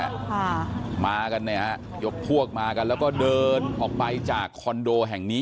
ค่ะมากันเนี่ยฮะยกพวกมากันแล้วก็เดินออกไปจากคอนโดแห่งนี้